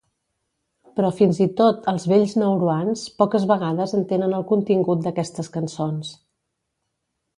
Però fins i tot els vells nauruans poques vegades entenen el contingut d'aquestes cançons.